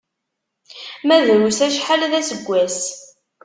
Ma drus acḥal d aseggas.